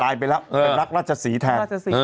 ตายไปแล้วเป็นรักรัชศรีแทน